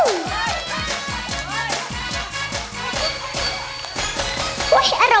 โมโฮโมโฮโมโฮ